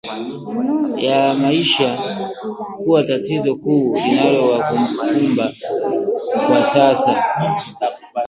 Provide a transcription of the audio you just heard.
ya maisha kuwa tatizo kuu linalowakumba kwa sasa